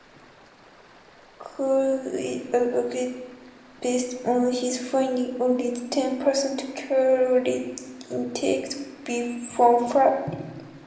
Kurzweil advocates, based on his findings, only ten percent caloric intake be from fat.